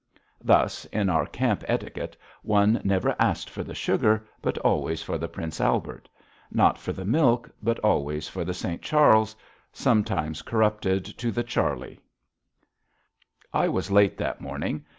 Thus, in our camp etiquette, one never asked for the sugar, but always for the Prince Albert; not for the milk, but always for the St. Charles, sometimes corrupted to the Charlie. I was late that morning.